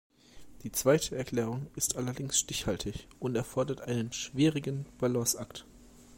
Die zweite Erklärung ist allerdings stichhaltig und erfordert einen schwierigen Balanceakt.